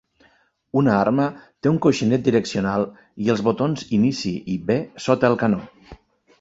Una arma té un coixinet direccional i els botons Inici i B sota el canó.